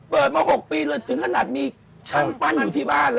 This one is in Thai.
เปิดมา๖ปีเลยถึงขนาดมีช่างปั้นอยู่ที่บ้านเลย